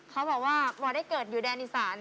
เขาบอกว่าพอได้เกิดอยู่แดนอีสาน